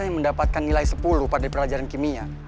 sam sam apaan sih